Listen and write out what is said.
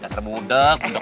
dasar budek duk